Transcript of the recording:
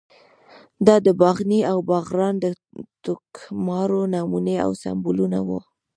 دا د باغني او باغران د ټوکمارو نمونې او سمبولونه وو.